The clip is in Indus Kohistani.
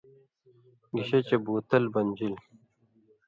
گِشے چے بُو تَل بنژِل